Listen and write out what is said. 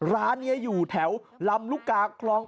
ร้านนี้อยู่แถวลำลูกกาคลอง